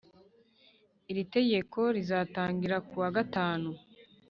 iri tegeko rizatangira kuwa gatanu.